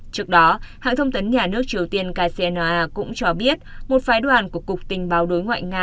trước đó hãng thông tấn nhà nước triều tiên kcna cũng cho biết một phái đoàn của cục tình báo đối ngoại nga